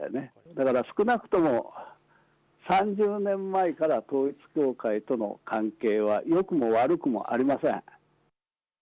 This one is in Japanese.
だから少なくとも３０年前から、統一教会との関係はよくも悪くもありません。